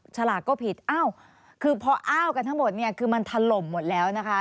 ฉลากก็ผิดอ้าวคือพออ้าวกันทั้งหมดเนี่ยคือมันถล่มหมดแล้วนะคะ